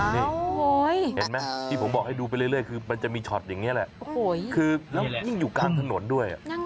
นี่เห็นไหมที่ผมบอกให้ดูไปเรื่อยคือมันจะมีช็อตอย่างนี้แหละคือแล้วยิ่งอยู่กลางถนนด้วย